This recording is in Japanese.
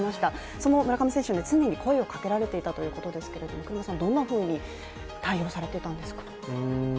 その村上選手に常に声をかけられていたということですが栗山さんはどんなふうに対応されていたんですか。